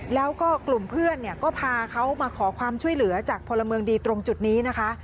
แล้วก็กลุ่มเพื่อนเนี่ยก็พาเขามาขอความช่วยเหลือจากพลเมืองดีตรงจุดนี้นะคะ